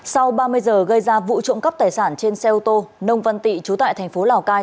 sau ba mươi giờ gây ra vụ trộm cắp tài sản trên xe ô tô nông văn tị trú tại thành phố lào cai